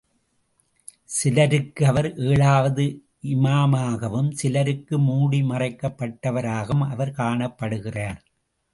சிலருக்கு அவர் ஏழாவது இமாமாகவும் சிலருக்கு மூடிமறைக்கப் பட்டவராகவும் அவர் காணப்படுகிறார்.